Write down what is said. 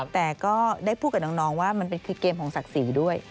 แต่ก็ได้พูดกับน้องว่ามันเป็นคือเกมของศักดิ์ศรีด้วย